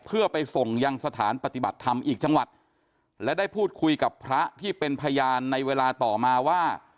เพื่อไปส่งยังสถานปฏิบัติธรรมอีกจังหวัดและได้พูดคุยกับพระที่เป็นพยานในเวลาต่อมาว่า